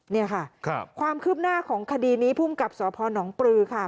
นี่ค่ะความคืบหน้าของคดีนี้ภูมิกับสพนปลือค่ะ